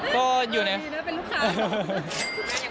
ก็อยู่เนี่ย